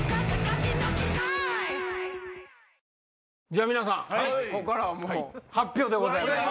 じゃあ皆さんここからは発表でございます。